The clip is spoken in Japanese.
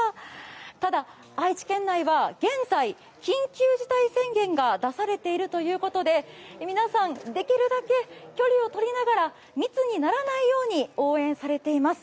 ただ、愛知県内は現在、緊急事態宣言が出されているということで皆さん、できるだけ距離を取りながら密にならないように応援されています。